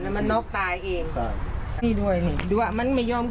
แล้วมันนอกตายเองค่ะด้วยนี่เดี๋ยวอ่ะมันไม่ยอม